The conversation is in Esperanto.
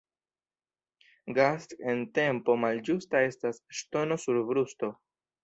Gast' en tempo malĝusta estas ŝtono sur brusto.